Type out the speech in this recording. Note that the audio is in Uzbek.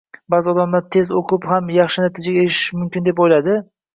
Baʼzi odamlar tez oʻqib ham yaxshi natijaga erishish mumkin deb oʻylaydi